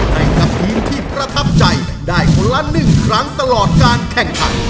ให้กับทีมที่ประทับใจได้คนละ๑ครั้งตลอดการแข่งขัน